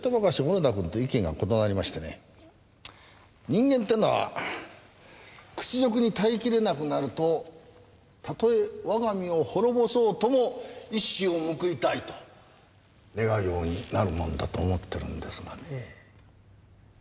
人間っていうのは屈辱に耐え切れなくなるとたとえわが身を滅ぼそうとも一矢を報いたいと願うようになるもんだと思ってるんですがねぇ。